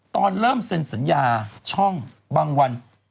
ตอนเริ่มเซ็นสัญญาช่องบางวัน